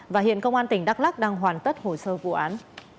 và hiện công an tỉnh đắk lắc đang hoàn tất hồ sơ vụ án